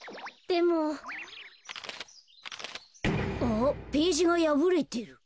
あっページがやぶれてる。